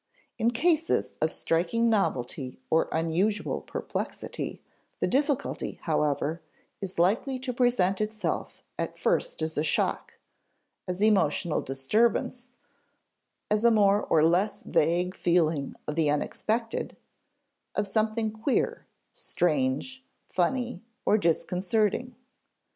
In cases of striking novelty or unusual perplexity, the difficulty, however, is likely to present itself at first as a shock, as emotional disturbance, as a more or less vague feeling of the unexpected, of something queer, strange, funny, or disconcerting.